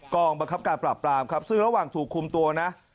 กองบังคับการปราบปรามครับซึ่งระหว่างถูกคุมตัวนะ